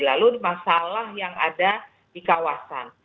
lalu masalah yang ada di kawasan